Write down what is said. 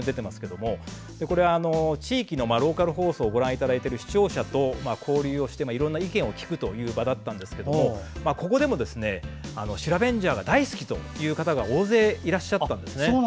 これは地域のローカル放送をご覧いただいている視聴者と交流していろんな意見を聞くという場だったんですがここでも、シラベンジャーが大好きという方が大勢いらっしゃったんですね。